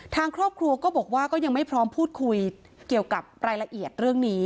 ทางครอบครัวก็บอกว่าก็ยังไม่พร้อมพูดคุยเกี่ยวกับรายละเอียดเรื่องนี้